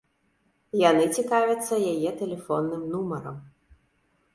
Яны цікавяцца яе тэлефонным нумарам.